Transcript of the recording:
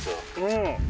うん。